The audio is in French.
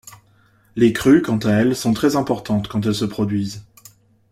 Les crues, quant à elles, sont très importantes quand elles se produisent.